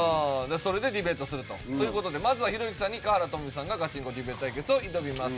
それでディベートすると。という事でまずはひろゆきさんに華原朋美さんがガチンコディベート対決を挑みます。